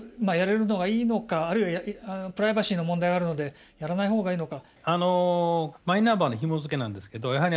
あるいはプライバシーの問題があるのでやらないほうがいいのか。